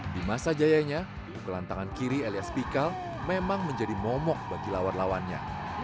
di masa jayanya pukulan tangan kiri elias pikal memang menjadi momok bagi lawan lawannya